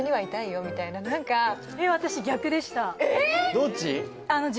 どっち？